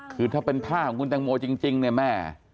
คือถ้าเป็นผ้าของคุณแตงโมจริงเนี่ยแม่